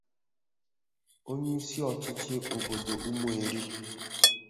onyeisi ọchịchị obodo Ụmụeri